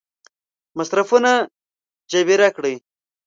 مصرفونه جبیره کړي.